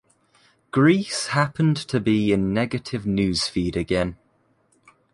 Greece happened to be in negative news feed again.